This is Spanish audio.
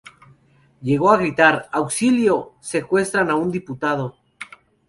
Llegó a gritar "¡Auxilio, secuestran a un diputado!".